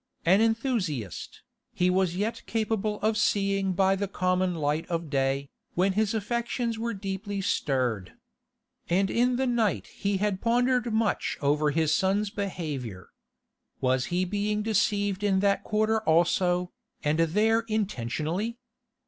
An enthusiast, he was yet capable of seeing by the common light of day, when his affections were deeply stirred. And in the night he had pondered much over his son's behaviour. Was he being deceived in that quarter also, and there intentionally?